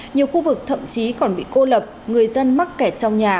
nhiều khu vực thậm chí còn bị cô lập người dân mắc kẹt trong nhà